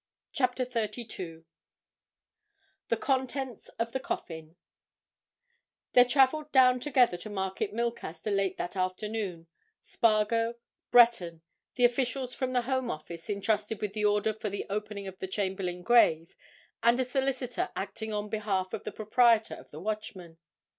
CHAPTER THIRTY TWO THE CONTENTS OF THE COFFIN There travelled down together to Market Milcaster late that afternoon, Spargo, Breton, the officials from the Home Office, entrusted with the order for the opening of the Chamberlayne grave, and a solicitor acting on behalf of the proprietor of the Watchman.